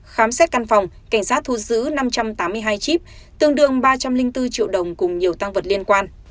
khám xét căn phòng cảnh sát thu giữ năm trăm tám mươi hai chip tương đương ba trăm linh bốn triệu đồng cùng nhiều tăng vật liên quan